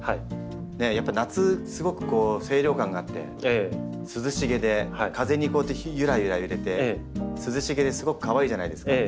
やっぱり夏すごく清涼感があって涼しげで風にこうやってゆらゆら揺れて涼しげですごくかわいいじゃないですか。